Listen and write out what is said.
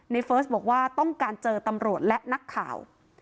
เฟิร์สบอกว่าต้องการเจอตำรวจและนักข่าว